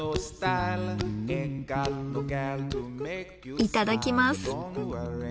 いただきます。